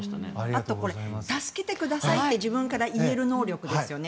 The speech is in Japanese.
あと助けてくださいって自分から言える能力ですよね。